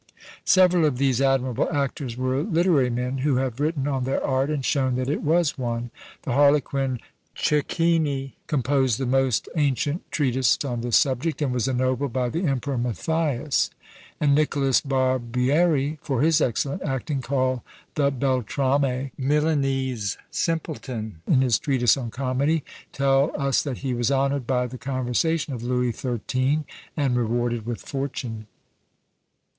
Several of these admirable actors were literary men, who have written on their art, and shown that it was one. The Harlequin Cecchini composed the most ancient treatise on this subject, and was ennobled by the Emperor Matthias; and Nicholas Barbieri, for his excellent acting called the Beltrame, a Milanese simpleton, in his treatise on comedy, tell us that he was honoured by the conversation of Louis XIII. and rewarded with fortune.